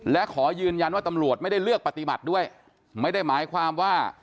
และขอยืนยันว่าตำรวจไม่ได้เลือกปฏิบัติด้วยไม่ได้หมายความว่า